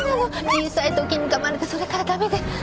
小さいときにかまれてそれから駄目で。